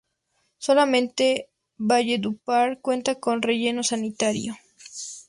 Solamente Valledupar cuenta con relleno sanitario.